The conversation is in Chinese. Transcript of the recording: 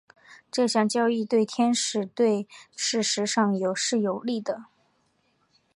这项交易对天使队事实上是有利的。